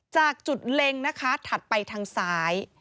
จากจุดเล็งนะคะถัดไปทางซ้าย